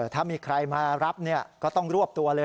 ถ้ามีใครมารับก็ต้องรวบตัวเลย